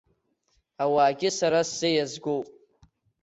Ауаагьы сара сзы иазгоуп.